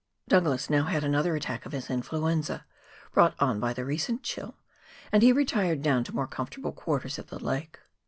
Douglas now had another attack of his influenza, brought on by the recent chill, and he retired down to more com fortable quarters at the Lake.